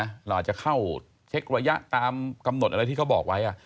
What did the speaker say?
เราอาจจะเข้าเช็กระยะตามกำหนดอะไรที่เขาบอกไว้